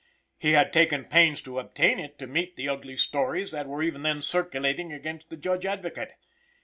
He had taken pains to obtain it to meet the ugly stories that were even then circulating against the Judge Advocate.